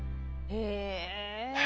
へえ。